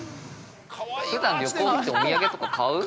ふだん旅行来てお土産とか買う？